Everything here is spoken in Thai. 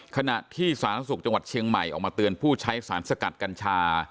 ขณะที่สาธารณสุขจังหวัดเชียงใหม่ออกมาเตือนผู้ใช้สารสกัดกัญชา